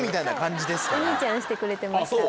お兄ちゃんしてくれてました。